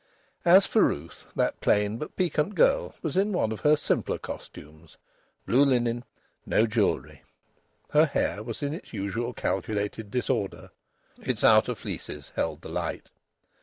As for Ruth, that plain but piquant girl was in one of her simpler costumes; blue linen; no jewellery. Her hair was in its usual calculated disorder; its outer fleeces held the light.